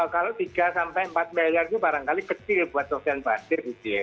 kalau tiga sampai empat miliar itu barangkali kecil buat sofian basir gitu ya